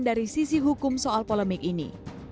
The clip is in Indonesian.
dari sisi hukum soal polemik ini